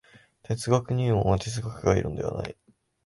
哲学入門は哲学概論ではない。